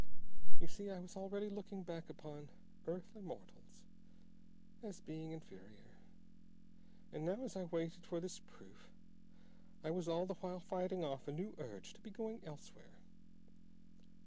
You see, I was already looking back upon earthly mortals as being inferior, and now as I waited for this proof I was all the while fighting off a new urge to be going elsewhere.